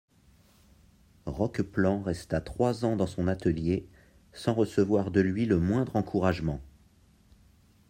Roqueplan resta trois ans dans son atelier sans recevoir de lui le moindre encouragement.